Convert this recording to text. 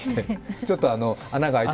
ちょっと穴が開いて。